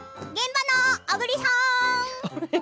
現場の小栗さん！